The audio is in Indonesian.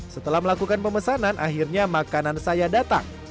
setelah melakukan pemesanan akhirnya makanan saya datang